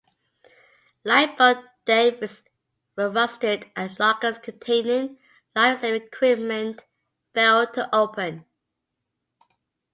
Lifeboat davits were rusted and lockers containing lifesaving equipment failed to open.